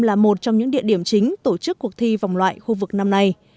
là một trong những địa điểm chính tổ chức cuộc thi vòng loại khu vực năm nay